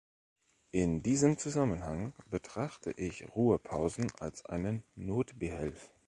In diesem Zusammenhang betrachte ich Ruhepausen als einen Notbehelf.